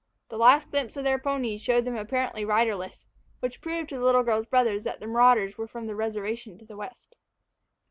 The last glimpse of their ponies showed them apparently riderless; which proved to the little girl's big brothers that the marauders were from the reservation to the west.